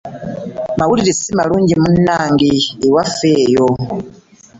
Mawulire si malungi munnange ewaffe eyo!